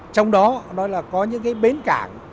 trong đó có những cái bến cảng